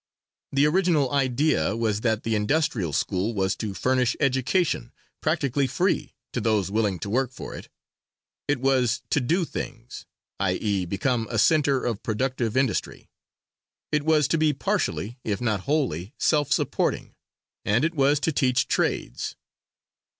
The original idea was that the "Industrial" school was to furnish education, practically free, to those willing to work for it; it was to "do" things i.e.: become a center of productive industry, it was to be partially, if not wholly, self supporting, and it was to teach trades.